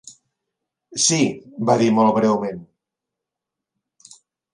"Sí", va dir molt breument.